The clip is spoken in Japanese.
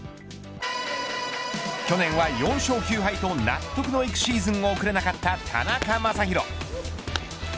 去年は４勝９敗と納得のいくシーズンを送れなかった田中将大。